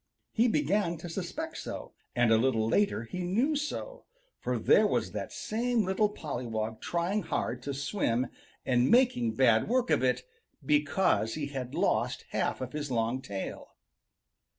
He began to suspect so, and a little later he knew so, for there was that same little pollywog trying hard to swim and making bad work of it, because he had lost half of his long tail.